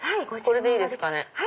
これでいいですかね。